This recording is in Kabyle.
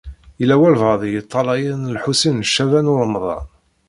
Yella walebɛaḍ i yeṭṭalayen Lḥusin n Caɛban u Ṛemḍan.